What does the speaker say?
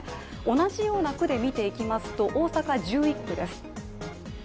同じような区で見ていきますと大阪１１区です。